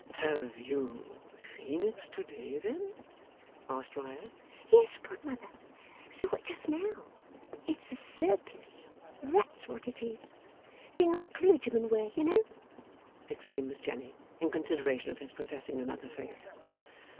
'Have you seen it to day then?' asked Riah. 'Yes, godmother. Saw it just now. It's a surplice, that's what it is. Thing our clergymen wear, you know,' explained Miss Jenny, in consideration of his professing another faith.